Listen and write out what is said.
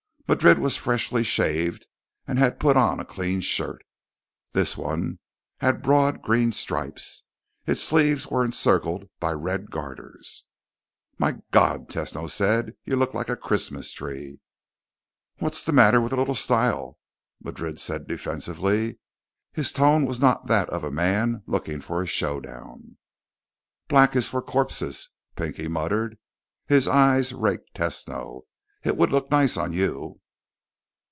Madrid was freshly shaved and had put on a clean shirt. This one had broad green stripes. Its sleeves were encircled by red garters. "My god," Tesno said. "You look like a Christmas tree." "What's the matter with a little style?" Madrid said defensively. His tone was not that of a man looking for a showdown. "Black is for corpses," Pinky muttered. His eyes raked Tesno. "It will look nice on you."